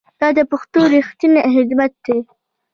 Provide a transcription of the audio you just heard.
دا د پښتو ریښتینی خدمت دی.